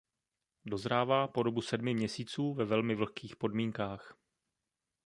Dozrává po dobu sedmi měsíců ve velmi vlhkých podmínkách.